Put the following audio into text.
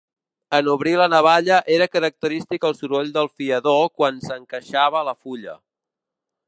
En obrir la navalla era característic el soroll del fiador quan s'encaixava la fulla.